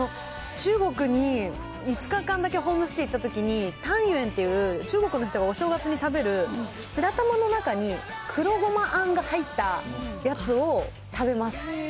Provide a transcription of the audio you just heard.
中国に５日間だけホームステイ行ったときに、タンユンっていう中国の人がお正月に食べる、白玉の中に黒ごまあんが入ったやつを食べます。